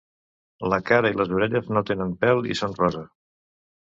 La cara i les orelles no tenen pèl i són rosa.